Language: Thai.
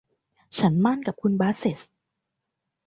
ฉันหมั้นกับคุณบาสเส็ต